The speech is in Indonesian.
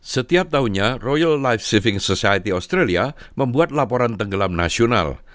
setiap tahunnya royal life civing society australia membuat laporan tenggelam nasional